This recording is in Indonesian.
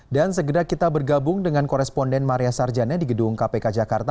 dan segera kita bergabung dengan koresponden maria sarjana di gedung kpk jakarta